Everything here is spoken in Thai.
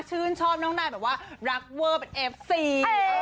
ชื่นชอบน้องนายแบบว่ารักเวอร์เป็นเอฟซี